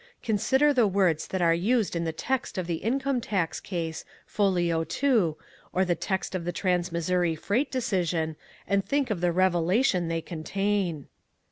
Consider the words that are used in the text of the Income Tax Case, Folio Two, or the text of the Trans Missouri Freight Decision, and think of the revelation they contain."